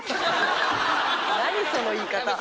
その言い方。